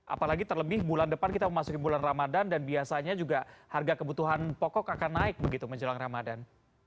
apalagi terlebih bulan depan kita memasuki bulan ramadan dan biasanya juga harga kebutuhan pokok akan naik begitu menjelang ramadan